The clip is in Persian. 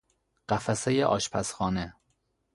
قفسه آشپزخانه